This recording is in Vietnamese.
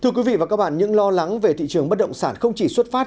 thưa quý vị và các bạn những lo lắng về thị trường bất động sản không chỉ xuất phát